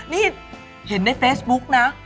นี่เห็นในเฟซบุ๊กนะ